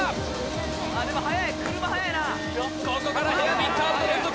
あっでも速い車速いなここからヘアピンカーブの連続